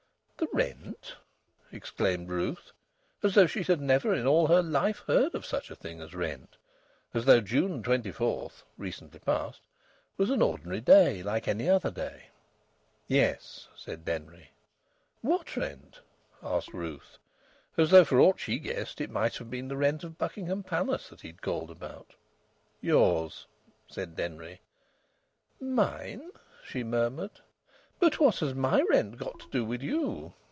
"The rent?" exclaimed Ruth, as though she had never in all her life heard of such a thing as rent; as though June 24 (recently past) was an ordinary day like any other day. "Yes," said Denry. "What rent?" asked Ruth, as though for aught she guessed it might have been the rent of Buckingham Palace that he had called about. "Yours," said Denry. "Mine!" she murmured. "But what has my rent got to do with you?"